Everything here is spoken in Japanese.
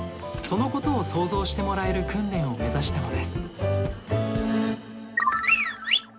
そのことを想像してもらえる訓練を目指したのです。